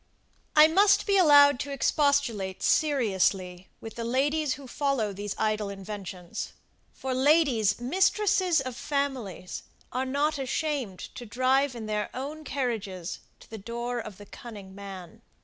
I must be allowed to expostulate seriously with the ladies, who follow these idle inventions; for ladies, mistresses of families, are not ashamed to drive in their own carriages to the door of the cunning man.